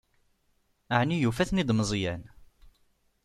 Ɛni yufa-ten-id Meẓyan?